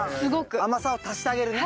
甘さを足してあげるね。